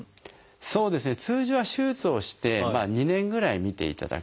そうですね通常は手術をして２年ぐらい見ていただくんですね。